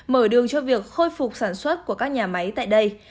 mở đường cho việc khôi phục sản xuất của các nhà máy tại đây